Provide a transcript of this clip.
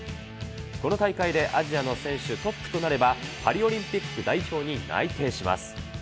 この大会でアジアの選手トップとなれば、パリオリンピック代表に内定します。